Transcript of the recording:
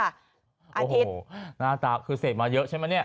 อาทิศโอ้โหหน้าตาคือเสพมาเยอะใช่มั้ยเนี่ย